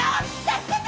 助けて！